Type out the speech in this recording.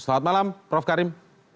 selamat malam prof karim